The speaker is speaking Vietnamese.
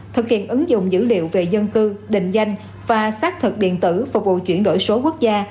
thực hiện ứng dụng dữ liệu về dân cư định danh và xác thực điện tử phục vụ chuyển đổi số quốc gia